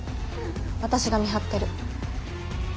私が見張ってる。